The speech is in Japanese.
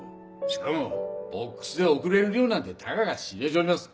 しかもボックスで送れる量なんてたかが知れちょります。